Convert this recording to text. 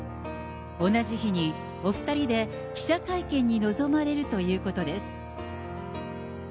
同じ日にお２人で記者会見に臨まれるということです。